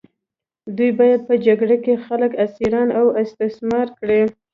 دوی باید په جګړه کې خلک اسیران او استثمار کړي.